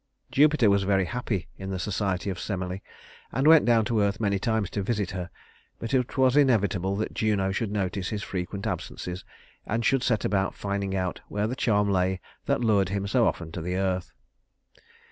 Jupiter was very happy in the society of Semele, and went down to earth many times to visit her, but it was inevitable that Juno should notice his frequent absences, and should set about finding out where the charm lay that lured him so often to the earth.